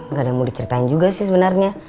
nggak ada yang mau diceritain juga sih sebenarnya